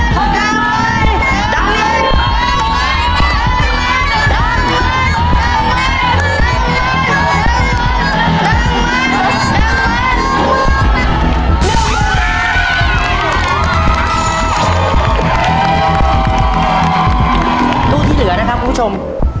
ตู้ที่เหลือนะครับคุณผู้ชม